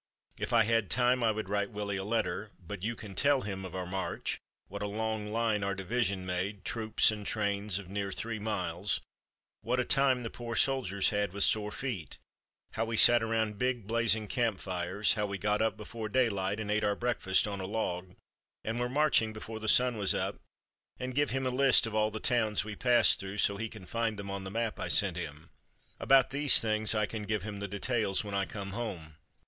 If I had time I would write Willie a letter (but you can tell him) of our march, what a long line our division made, troops and trains of near three miles, what a time the poor soldiers had with sore feet, how we sat around big blazing camp fires, how we got up before daylight and ate our breakfast on a log, and were marching before the sun was up, and give him a list of all the towns we passed through so he can find them on the map I sent him. About these I can give him the details when I come home.